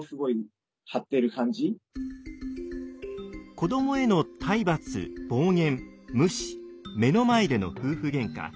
子どもへの体罰暴言無視目の前での夫婦げんか。